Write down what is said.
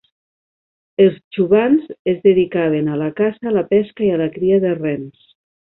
Els txuvans es dedicaven a la caça, la pesca i la cria de rens.